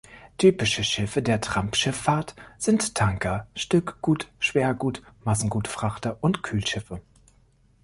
Typische Schiffe der Trampschifffahrt sind Tanker, Stückgut-, Schwergut-, Massengutfrachter und Kühlschiffe.